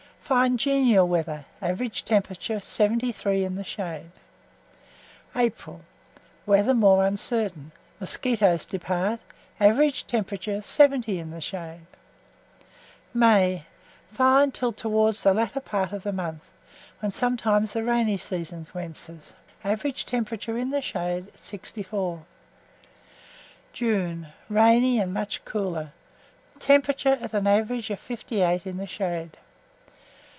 Fine genial weather; average temperature, 73 in the shade. APRIL. Weather more uncertain; mosquitos depart; average temperature, 70 in the shade: MAY. Fine, till towards the latter part of the month, when sometimes the rainy season commences; average temperature in the shade, 64. JUNE. Rainy, and much cooler; temperature at an average of 58 in the shade.